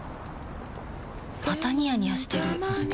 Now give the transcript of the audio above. またニヤニヤしてるふふ。